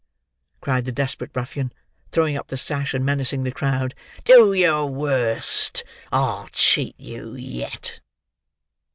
cried the desperate ruffian, throwing up the sash and menacing the crowd. "Do your worst! I'll cheat you yet!"